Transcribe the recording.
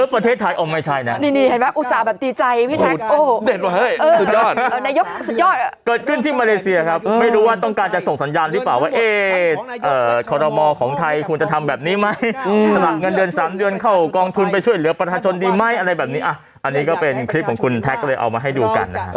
เป็นคลิปของคุณแท็กเลยเอามาให้ดูกัน